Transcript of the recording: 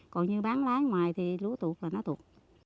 còn như bán lái ngoài thì lúa tuột và nó tuột